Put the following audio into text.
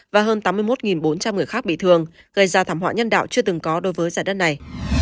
và hơn tám mươi một bốn trăm linh người khác bị thương gây ra thảm họa nhân đạo chưa từng có đối với giải đất này